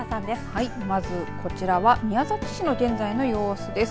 はい、まずこちらが宮崎市の現在の様子です。